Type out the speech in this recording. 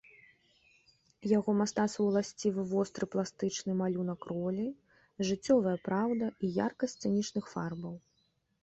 Яго мастацтву уласцівы востры пластычны малюнак ролі, жыццёвая праўда і яркасць сцэнічных фарбаў.